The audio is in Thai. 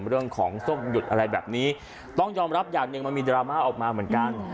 เรื่องของส้มหยุดอะไรแบบนี้ต้องยอมรับอย่างหนึ่งมันมีดราม่าออกมาเหมือนกัน